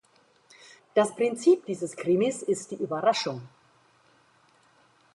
Das Prinzip dieses Krimis ist die Überraschung.